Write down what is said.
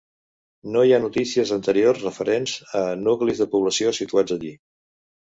No hi ha notícies anteriors referents a nuclis de població situats allí.